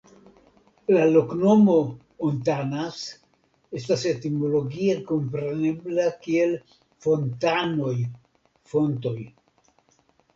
La loknomo "Hontanas" estas etimologie komprenebla kiel "Fontanoj" (fontoj).